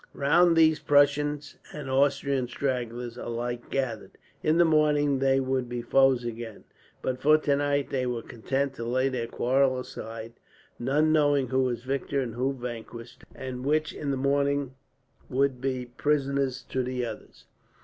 Round these Prussian and Austrian stragglers alike gathered. In the morning they would be foes again, but for tonight they were content to lay their quarrel aside, none knowing who was victor and who vanquished; and which, in the morning, would be prisoners to the others.